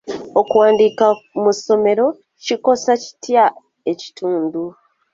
Okuwanduka mu ssomero kikosa kitya ekitundu?